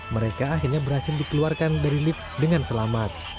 mereka akhirnya berhasil dikeluarkan dari lift dengan selamat